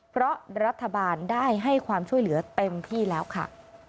เพราะรัฐบาลได้ให้ความช่วยเหลือเต็มที่แล้วค่ะ